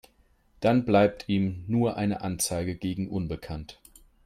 Dann bleibt ihm nur eine Anzeige gegen unbekannt.